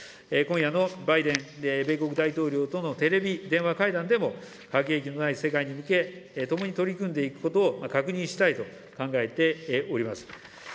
今夜のバイデン米国大統領とのテレビ電話会談でも、核兵器のない世界へ向け、共に取り組んでいくことを確認したいと考えております。